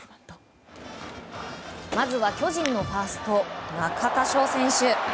まずは巨人のファースト中田翔選手。